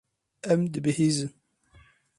Em dibihîzin.